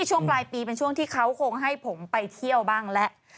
ช่วงปลายปีเป็นช่วงที่เขาคงให้ผมไปเที่ยวบ้างแล้ว